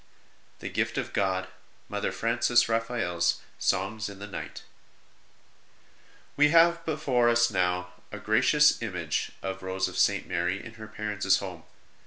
The Gift of God: MOTHKR FRANCES RAPHAEL S Songs in the Night? |E have now before us a gracious image of Rose of St. Mary in her parents home.